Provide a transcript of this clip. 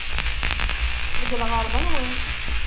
Deg lɣeṛḍ-nwen!